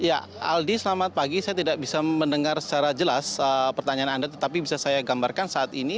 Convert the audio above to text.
ya aldi selamat pagi saya tidak bisa mendengar secara jelas pertanyaan anda tetapi bisa saya gambarkan saat ini